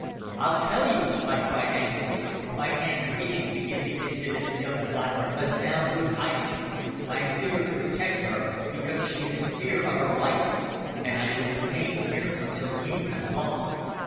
"I'll tell you!" I cried angrily, my hands itching to give the impudent young blackguard a sound good hiding. "I'm here to protect her, because she is in fear of her life. And I shall remain here until you have gone."